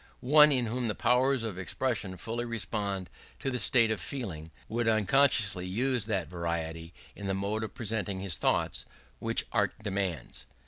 One in whom the powers of expression fully responded to the state of feeling, would unconsciously use that variety in the mode of presenting his thoughts, which Art demands.